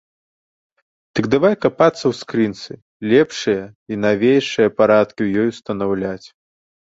Дык давай капацца ў скрынцы, лепшыя й навейшыя парадкі ў ёй устанаўляць.